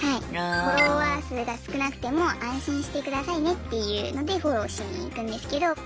フォロワー数が少なくても安心してくださいねっていうのでフォローしに行くんですけど。